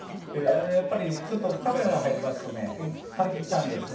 やっぱりちょっとカメラが入りますとね張り切っちゃうんですね。